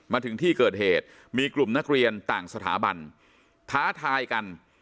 มาถึงที่เกิดเหตุมีกลุ่มนักเรียนต่างสถาบันท้าทายกัน